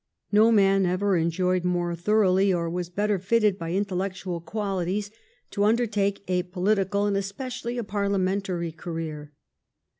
No man ever enjoyed more thoroughly or was better fitted by intellectual quahties to undertake a political and especially a parliamentary career.